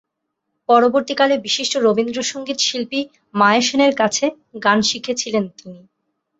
পরবর্তীকালে বিশিষ্ট রবীন্দ্রসংগীত শিল্পী মায়া সেনের কাছে গান শিখেছিলেন তিনি।